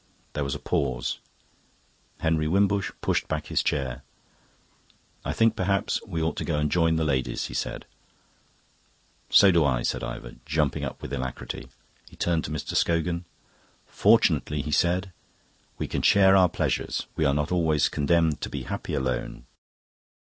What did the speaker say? There was a pause. Henry Wimbush pushed back his chair. "I think perhaps we ought to go and join the ladies," he said. "So do I," said Ivor, jumping up with alacrity. He turned to Mr. Scogan. "Fortunately," he said, "we can share our pleasures. We are not always condemned to be happy alone."